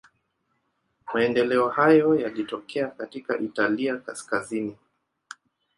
Maendeleo hayo yalitokea katika Italia kaskazini.